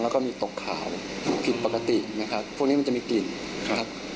แล้วก็มีตกขาวผิดปกตินะครับพวกนี้มันจะมีกลิ่นครับ